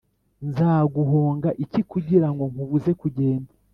nzaguhonga iki kugirango nkubuze kugenda?